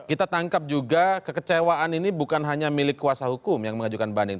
kita tangkap juga kekecewaan ini bukan hanya milik kuasa hukum yang mengajukan banding